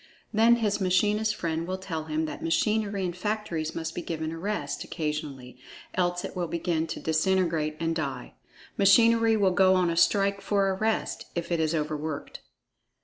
Then his machinist friend will tell him that machinery in factories must be given a rest, occasionally, else it will begin to disintegrate and "die." Machinery will go on a strike for a rest, if it is overworked.